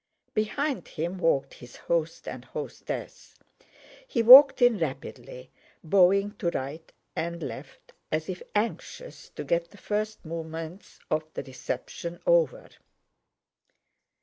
Behind him walked his host and hostess. He walked in rapidly, bowing to right and left as if anxious to get the first moments of the reception over.